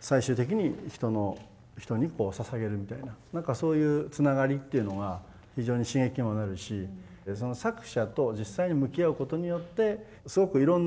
最終的に人にこうささげるみたいな何かそういうつながりというのが非常に刺激にもなるしその作者と実際に向き合うことによってすごくいろんな勉強になるわけですね。